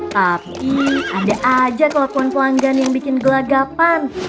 tapi ada aja kelakuan pelanggan yang bikin gelagapan